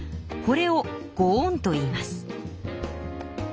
これをご恩といいます。